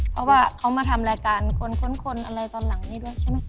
เพราะว่าเขามาทำรายการคนค้นอะไรตอนหลังนี้ด้วยใช่ไหม